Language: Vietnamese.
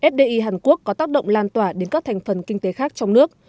fdi hàn quốc có tác động lan tỏa đến các thành phần kinh tế khác trong nước